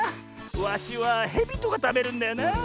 ワシはヘビとかたべるんだよなあ。